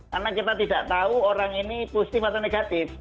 karena kita tidak tahu orang ini positif atau negatif